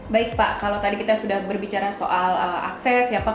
baik pak kalau tadi kita sudah berbicara soal akses